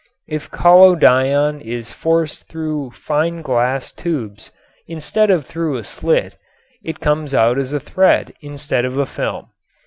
If collodion is forced through fine glass tubes instead of through a slit, it comes out a thread instead of a film.